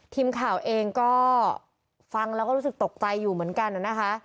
ทีมข่าวเองก็ฟังแล้วก็รู้สึกตกใจอยู่เหมือนกันนะคะ